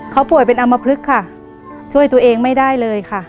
เขาป่วยเป็นอำมพลึกค่ะช่วยตัวเองไม่ได้เลยค่ะ